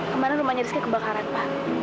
kemarin rumahnya rizky kebakaran pak